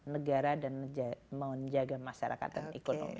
negara dan menjaga masyarakat dan ekonomi